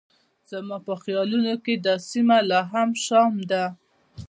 زما په خیالونو کې دا سیمه لا هم شام دی.